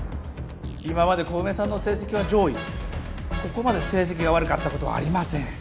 今まで小梅さんの成績は上位ここまで成績が悪かったことはありません